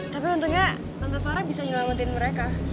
tapi untungnya tante farah bisa nyelamatin mereka